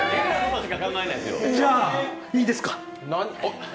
じゃ、いいですか。